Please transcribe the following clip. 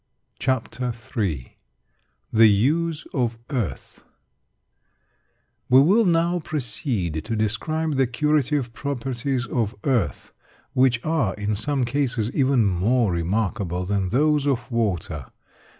CHAPTER III THE USE OF EARTH We will now proceed to describe the curative properties of earth, which are, in some cases, even more remarkable than those of water.